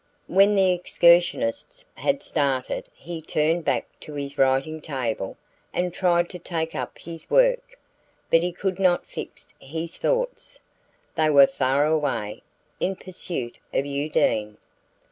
When the excursionists had started he turned back to his writing table and tried to take up his work; but he could not fix his thoughts: they were far away, in pursuit of Undine.